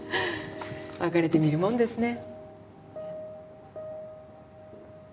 別れてみるもんですね。